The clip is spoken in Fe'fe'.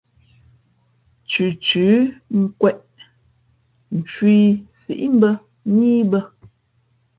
Thʉthʉ̌ nkwēʼ, ncwī síʼ mbᾱ nά í bᾱ.